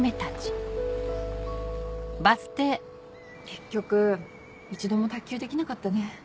結局一度も卓球できなかったね。